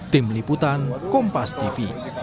tim liputan kompas tv